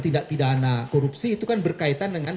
tindak pidana korupsi itu kan berkaitan dengan